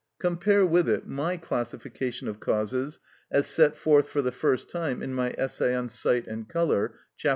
Compare with it my classification of causes as set forth for the first time in my essay on sight and colour, chap.